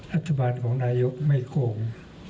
รัฐบาลของนายกไม่โกง